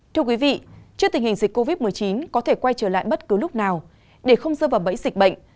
thưa quý vị trước tình hình dịch covid một mươi chín có thể quay trở lại bất cứ lúc nào để không rơi vào bẫy dịch bệnh